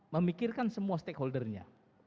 memikirkan semua stakeholder nya